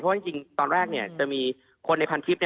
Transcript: เพราะว่าจริงตอนแรกจะมีคนในพันคลิป